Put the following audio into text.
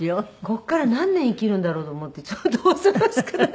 ここから何年生きるんだろうと思ってちょっと恐ろしくなる。